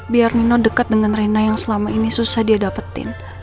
biar nino dekat dengan rena yang selama ini susah dia dapetin